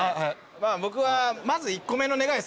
僕はまず１個目の願いですね。